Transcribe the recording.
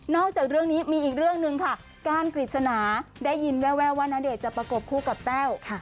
จากเรื่องนี้มีอีกเรื่องหนึ่งค่ะก้านกฤษณาได้ยินแววว่าณเดชน์จะประกบคู่กับแต้ว